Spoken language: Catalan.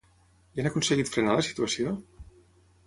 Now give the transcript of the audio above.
I han aconseguit frenar la situació?